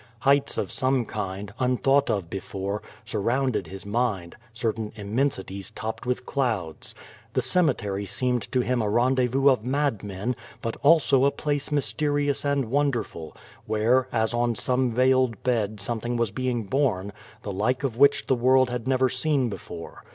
Heights of some kind, unthought of before, sur rounded his mind, certain immensities topped with clouds. The cemetery seemed to him a rendezvous of madmen, but also a place mysterious and wonderful, where, as on some veiled bed something was being born, the like of which the world bad never seen before.